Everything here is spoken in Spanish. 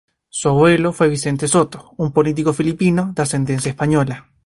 Su abuelo fue Vicente Sotto, un político filipino de ascendencia española.